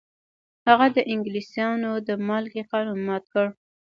هغه د انګلیسانو د مالګې قانون مات کړ.